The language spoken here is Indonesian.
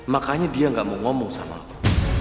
makanya dia gak mau ngomong sama apa